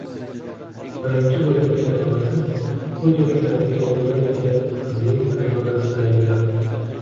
Birinchi bo`lib kirgan onasi ko`z yoshlarini tiya olmay ichida qizining qaynonasini ayblardi